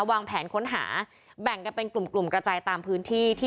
วางแผนค้นหาแบ่งกันเป็นกลุ่มกลุ่มกระจายตามพื้นที่ที่